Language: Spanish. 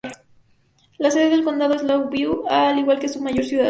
La sede del condado es Longview, al igual que su mayor ciudad.